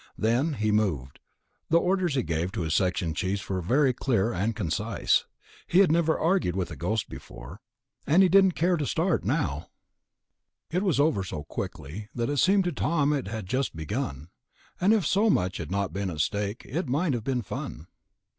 Then he moved. The orders he gave to his section chiefs were very clear and concise. He had never argued with a ghost before, and he didn't care to start now. It was over so quickly that it seemed to Tom it had just begun, and if so much had not been at stake, it might have been fun.